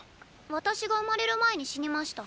私が生まれる前に死にました。